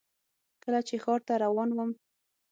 کله چې ښار ته روان وم .